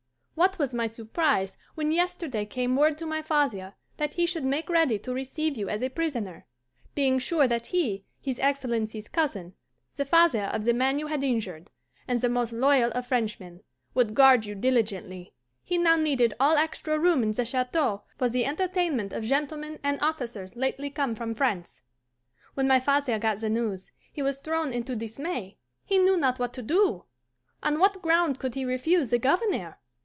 What was my surprise when yesterday came word to my father that he should make ready to receive you as a prisoner; being sure that he, his Excellency's cousin, the father of the man you had injured, and the most loyal of Frenchmen, would guard you diligently; he now needed all extra room in the Chateau for the entertainment of gentlemen and officers lately come from France. "When my father got the news, he was thrown into dismay. He knew not what to do. On what ground could he refuse the Governor?